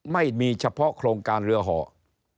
ไม่มีเฉพาะโครงการเรือห่อ